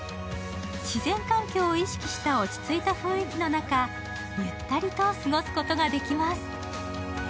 自然環境を意識した落ち着いた雰囲気の中、ゆったりと過ごすことができます。